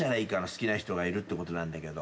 好きな人がいるってことだけど。